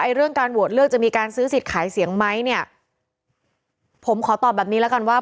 เรื่องการโหวตเลือกจะมีการซื้อสิทธิ์ขายเสียงไหมเนี่ยผมขอตอบแบบนี้แล้วกันว่า